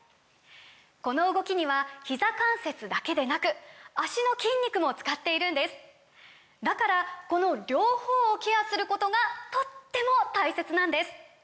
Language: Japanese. この動きにはひざ関節だけでなく脚の筋肉も使っているんですだからこの両方をケアすることがとっても大切なんです！